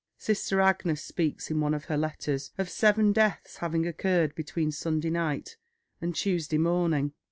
Sister Agnes speaks in one of her letters of seven deaths having occurred between Sunday night and Tuesday morning.